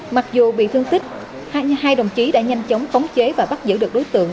mặc dù bị thương tích hai đồng chí đã nhanh chóng khống chế và bắt giữ được đối tượng